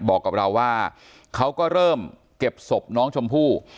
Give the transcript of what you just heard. บอกกับเราว่าเขาก็เริ่มเก็บศพน้องชมพู่